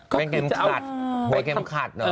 เป็นเก็บขัดหัวเก็บขัด